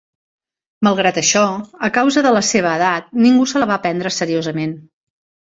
Malgrat això, a causa de la seva edat, ningú se la va prendre seriosament.